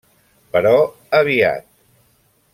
Però aviat.